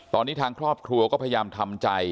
ตอนนี้ทางครอบครัวก็พยายามทำใจ